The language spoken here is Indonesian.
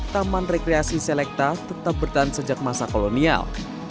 taman rekreasi selekta tetap bertahan sejak masa kolonial